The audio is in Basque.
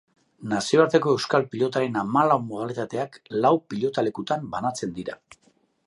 Nazioarteko euskal pilotaren hamalau modalitateak lau pilotalekutan banatzen dira.